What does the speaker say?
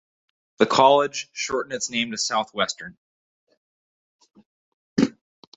The college shortened its name to Southwestern.